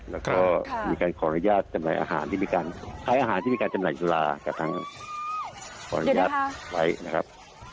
แล้วก็มีการขออนุญาตจำหน่ายอาหารที่มีการใช้อาหารที่มีการจำหน่ายจุฬากับทางขออนุญาตไว้นะครับ